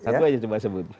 satu aja cuma sebut